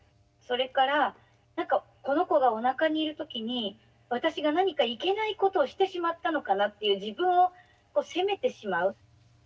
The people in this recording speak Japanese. それから「この子がおなかにいる時に私が何かいけないことをしてしまったのかな」っていう自分を責めてしまう。